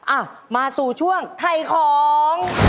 อ้าวมาสู่ช่วงไถ่ของ